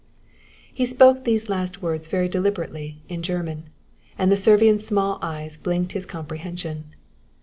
He spoke these last words very deliberately in German, and the Servian's small eyes blinked his comprehension.